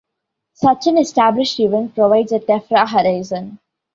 Such an established event provides a "tephra horizon".